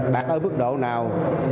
đạt ở bức độ nào